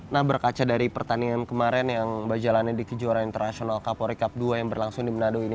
nah berkaca dari pertandingan kemarin yang berjalan di kejuaraan internasional kapolri cup dua yang berlangsung di menado ini